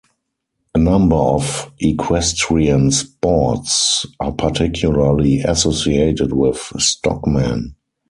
A number of equestrian sports are particularly associated with stockmen.